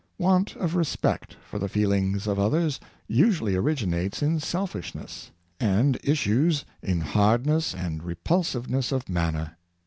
Want of respect for the feelings of others usually originates in selfishness, and issues in hardness and re pulsiveness of manner.